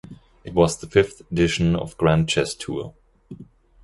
It was the fifth edition of Grand Chess Tour.